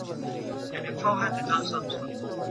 انارشیزم له لاري خپلي ګټي خوندي کړي.